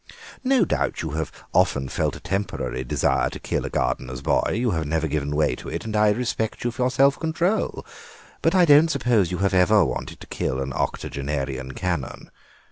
No doubt you have often felt a temporary desire to kill a gardener's boy; you have never given way to it, and I respect you for your self control. But I don't suppose you have ever wanted to kill an octogenarian Canon.